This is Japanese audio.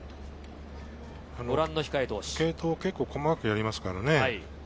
継投、結構細かくやりますからね。